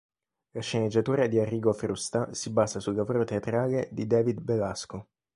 La sceneggiatura di Arrigo Frusta si basa sul lavoro teatrale di David Belasco.